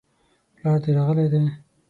پلار دي راغلی دی؟